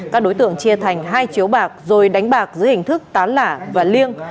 các đối tượng chia thành hai chiếu bạc rồi đánh bạc dưới hình thức tán lả và liêng